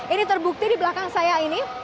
ini terbukti di belakang saya ini